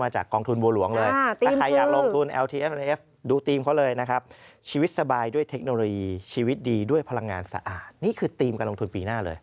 ชีวิตดีด้วยพลังงานสะอาดนี่คือธีมการลงทุนปีหน้าเลย